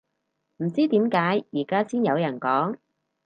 唔知點解而家先有人講